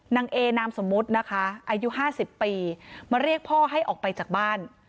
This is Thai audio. นางเอนามสมมุตินะคะอายุ๕๐ปีมาเรียกพ่อให้ออกไปจากบ้าน